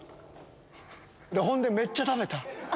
ほんでめっちゃ食べた。